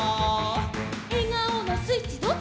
「えがおのスイッチどっち？」